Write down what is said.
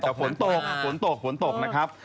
ใช่แต่ฝนตกฝนตกฝนตกนะครับ